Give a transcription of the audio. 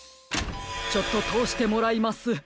ちょっととおしてもらいます。